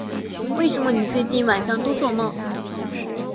为什么你最近晚上都作梦